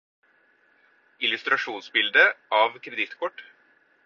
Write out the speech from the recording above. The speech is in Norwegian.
Illustrasjonsbilde av kredittkort.